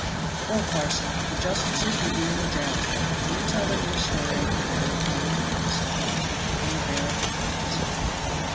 "Well, parson, the justices will be in the jail to day you tell them your story and I will tell them mine," said Hawes, with a cool air of defiance.